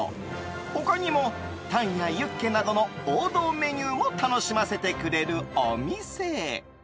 他にもタンやユッケなどの王道メニューも楽しませてくれるお店。